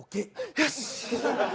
よし！